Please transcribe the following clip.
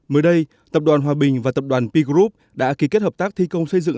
mới đây tập đoàn hòa bình và tập đoàn p group đã ký kết hợp tác thi công xây dựng